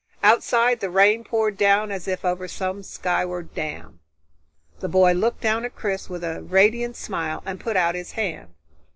Outside, the rain poured down as if over some skyward dam. The boy looked down at Chris with a radiant smile and put out his hand.